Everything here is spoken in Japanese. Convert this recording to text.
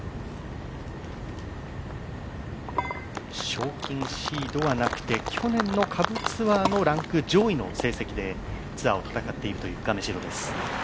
賞金シードはなくて、去年の下部ツアーのランク上位の成績でツアーを戦っているという亀代です。